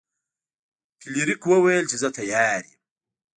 فلیریک وویل چې زه تیار یم.